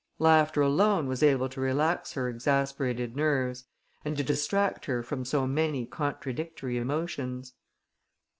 Laughter alone was able to relax her exasperated nerves and to distract her from so many contradictory emotions.